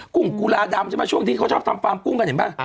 กุ้งกุลาดำใช่ไหมช่วงที่เขาชอบทำฟาร์มกุ้งกันเห็นป่ะ